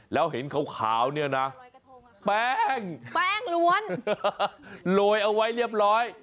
แล้วเห็นขาวเนี่ยนะแป้งแป้งล้วนโรยเอาไว้เรียบร้อย